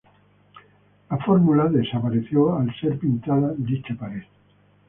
La fórmula desapareció al ser pintada dicha pared.